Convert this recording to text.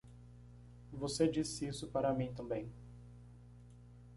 Você disse isso para mim também.